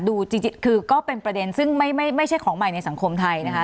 จริงคือก็เป็นประเด็นซึ่งไม่ใช่ของใหม่ในสังคมไทยนะคะ